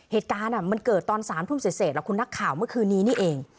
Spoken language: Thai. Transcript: เหตุการณ์มันเกิดตอน๓ทุ่มเสร็จแล้วคุณนักข่าวเมื่อคืนนี้นี่เอง